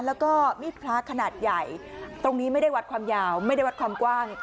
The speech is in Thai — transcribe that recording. แล้วก็มีดพระขนาดใหญ่ตรงนี้ไม่ได้วัดความยาวไม่ได้วัดความกว้าง